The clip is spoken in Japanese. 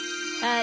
あ。